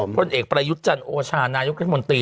คนเอกประยุจันทร์โอชาลนายกุฏรมนตรี